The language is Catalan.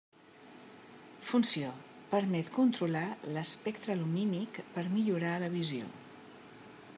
Funció: permet controlar l'espectre lumínic per millorar la visió.